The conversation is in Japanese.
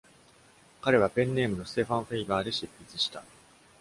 彼はペンネームのステファン・フェイバーで執筆した。